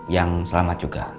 yang selamat juga